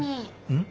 うん？